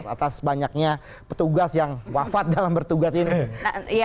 atas banyaknya petugas yang wafat dalam bertugas ini